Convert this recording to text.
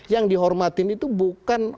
yang dihormatin itu bukan